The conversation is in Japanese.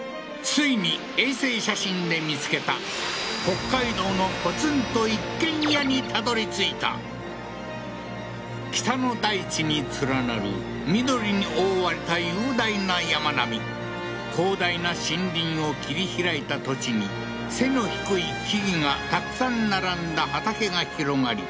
ついに衛星写真で見つけた北海道の北の大地に連なる緑に覆われた雄大な山並み広大な森林を切り開いた土地に背の低い木々がたくさん並んだ畑が広がり